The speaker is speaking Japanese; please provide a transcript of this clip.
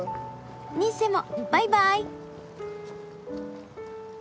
ニッセもバイバーイ！